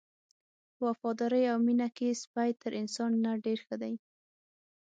په وفادارۍ او مینه کې سپی تر انسان نه ډېر ښه دی.